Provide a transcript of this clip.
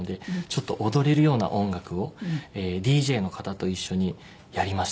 ちょっと踊れるような音楽をＤＪの方と一緒にやりましたね。